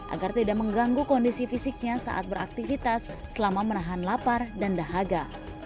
agar tidak mengganggu kondisi fisiknya saat beraktivitas selama menahan lapar dan dahaga